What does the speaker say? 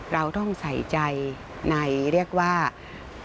เราต้องใส่ใจในเรื่องของการสอน